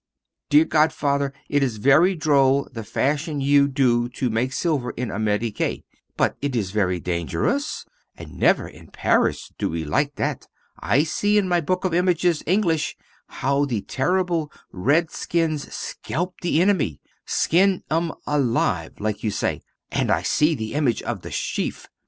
Dear godfather, it is very droll the fashion you do to make silver in Amerique! But it is very dangerous, and never in Paris we do like that. I see in my book of images English how the terrible Red skins scalp the enemy, "skin 'em alive," like you say, and I see the image of the chef.